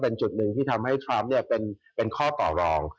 ดังนั้นที่ทำให้ความทรัพย์เป็นข้อต่อรอง